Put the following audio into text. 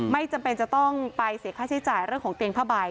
ไม่จำเป็นจะต้องไปเสียค่าใช้จ่ายเรื่องของเตียงผ้าใบ